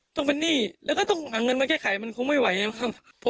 ต้องเป็นหนี้แล้วก็ต้องหาเงินมาแก้ไขมันคงไม่ไหวนะครับ